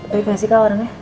baik gak sih kak orangnya